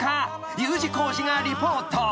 Ｕ字工事がリポート］